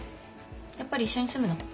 やっぱり一緒に住むの？